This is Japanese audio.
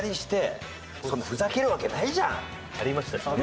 ありましたしね。